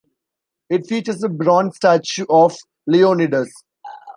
It features a bronze statue of Leonidas.